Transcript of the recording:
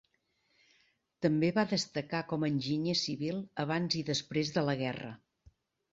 També va destacar com a enginyer civil abans i després de la guerra.